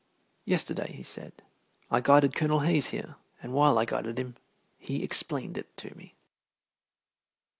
"Yesterday," he said, "I guided Colonel Hayes here, and while I guided him he explained it to me."